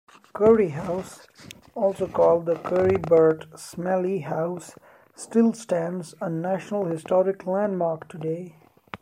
Curry House, also called the Curry-Burt-Smelley House, still stands, a National Historic Landmark today.